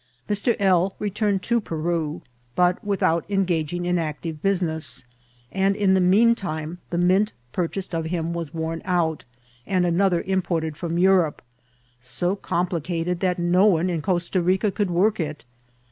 Mr. L. returned to Peru, but without en gEging in Ective business, End in the mesn time the mint purchssed of him wss worn out. End nnother im ported from Europe, so compHcEted thEt no one in CostE RicE could work it.